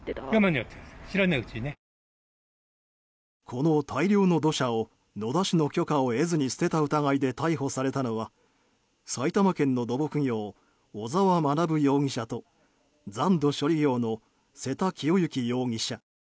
この大量の土砂を野田市の許可を得ずに捨てた疑いで逮捕されたのは埼玉県の土木業小沢学容疑者と残土処理業の瀬田清行容疑者。